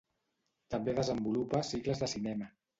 També desenvolupa cicles de cinema.